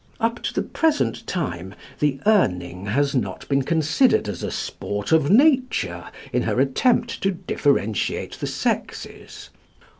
Up to the present time the Urning has not been considered as a sport of nature in her attempt to differentiate the sexes.